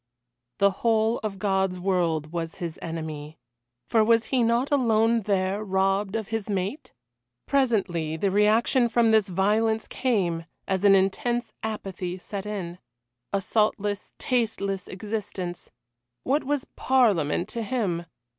The whole of God's world was his enemy for was he not alone there, robbed of his mate? Presently the reaction from this violence came, and an intense apathy set in. A saltless, tasteless existence. What was Parliament to him?